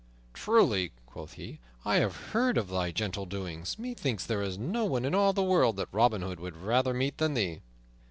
"Truly," quoth he, "I have heard of thy gentle doings. Methinks there is no one in all the world that Robin Hood would rather meet than thee."